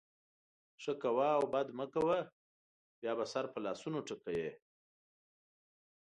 ښه کوه او بد مه کوه؛ بیا به سر په لاسونو ټکوې.